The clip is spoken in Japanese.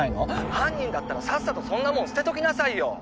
☎犯人だったらさっさとそんなもん捨てときなさいよ